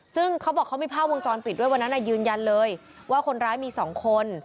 ซึ่งเขาบอกเขามีภาพวงจรปิดด้วยวันนั้นยืนยันเลยว่าคนร้ายมี๒คน